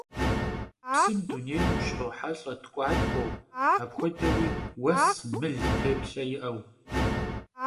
Psım dunêym vuşrohelh'e tk'uatk'ueu, apxuedeui vues, mıl têplhe yi'eu.